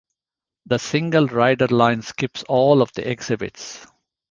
The single rider line skips all of the exhibits.